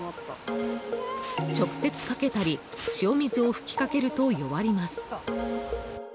直接かけたり塩水を噴きかけると弱ります。